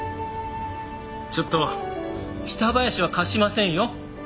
ちょっと北林は貸しませんよ。